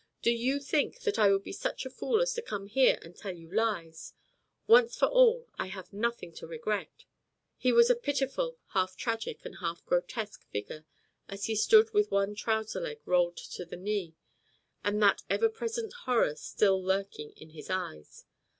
Do you think that I would be such a fool as to come here and tell you lies. Once for all, I have nothing to regret." He was a pitiful, half tragic and half grotesque figure, as he stood with one trouser leg rolled to the knee, and that ever present horror still lurking in his eyes.